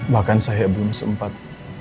bahkan saya belum sempat